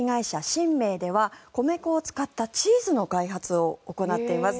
神明では米粉を使ったチーズの開発を行っています。